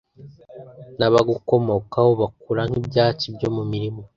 n'abagukomokaho bakura nk'ibyatsi byo mu mirima